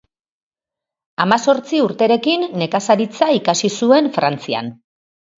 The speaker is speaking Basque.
Hamazortzi urterekin nekazaritza ikasi zuen Frantzian.